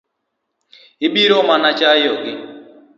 Ibiro mana chayo gi.